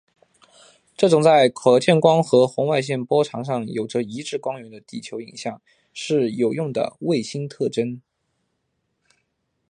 这种在可见光或红外线波长上有着一致光源的地球影像是有用的卫星特征。